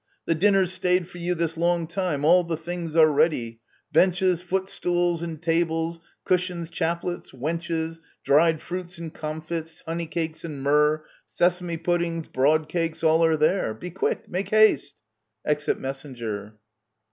The dinner's stayed for you This long time — all the things are ready — benches, Footstools and tables, cushions, chaplets, wenches, Dried fruits and comfits, honey cakes and myrrh, Sesame puddings, broad cakes — all are there. Be quick ! Make haste I [Exit Messenger.